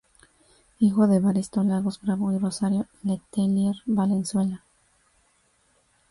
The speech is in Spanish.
Hijo de Evaristo Lagos Bravo y Rosario Letelier Valenzuela.